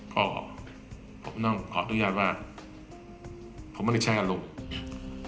ก็ผมต้องขออนุญาตว่าผมไม่ได้ใช้อารมณ์